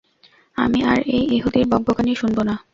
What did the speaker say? আমি আর এই ইহুদীর বকবকানি শুনব না।